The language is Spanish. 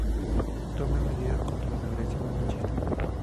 tomen medidas contra las agresiones machistas